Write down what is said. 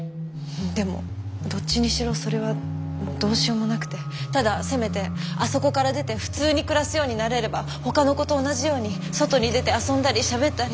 でもどっちにしろそれはどうしようもなくてただせめてあそこから出て「普通」に暮らすようになれれば他の子と同じように外に出て遊んだりしゃべったり。